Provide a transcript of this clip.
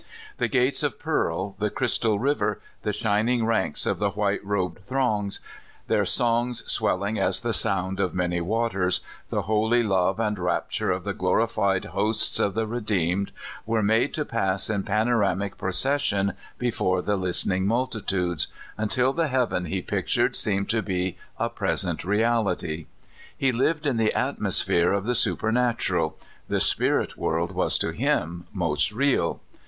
The gates of pearl, the crystal river, the shining ranks of the white robed throngs, their songs swelling as the 138 CALIFORNIA SKETCHES. sound of many waters, the holy love and rapture of the glorified hosts of the redeemed, were made to pass in panoramic procession before the listen ing multitudes, until the heaven he pictured seemed to be a present reality. He lived in the atmos phere of the supernatural; the spirit world was to him most real.